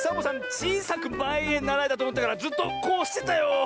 ちいさくまえへならえだとおもったからずっとこうしてたよ。